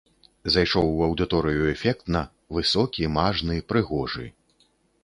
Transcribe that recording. Зайшоў у аўдыторыю эфектна, высокі, мажны, прыгожы.